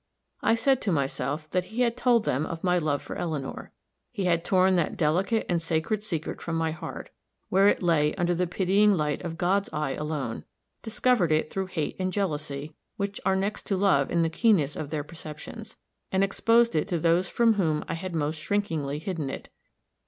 I said to myself that he had told them of my love for Eleanor. He had torn that delicate and sacred secret from my heart, where it lay under the pitying light of God's eye alone discovered it through hate and jealousy, which are next to love in the keenness of their perceptions and exposed it to those from whom I had most shrinkingly hidden it.